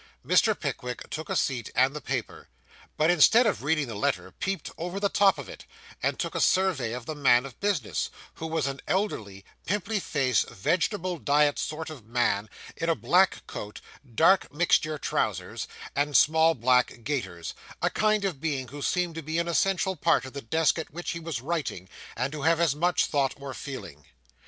Mr. Pickwick took a seat and the paper, but, instead of reading the latter, peeped over the top of it, and took a survey of the man of business, who was an elderly, pimply faced, vegetable diet sort of man, in a black coat, dark mixture trousers, and small black gaiters; a kind of being who seemed to be an essential part of the desk at which he was writing, and to have as much thought or feeling.